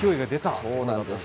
そうなんです。